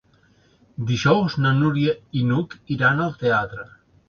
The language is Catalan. Dijous na Núria i n'Hug iran al teatre.